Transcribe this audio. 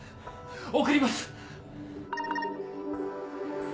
送ります。